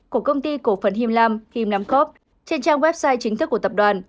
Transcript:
của công ty cổ phần him lam him nung cop trên trang website chính thức của tập đoàn